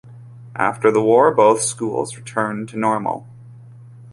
After the war both schools returned to normal.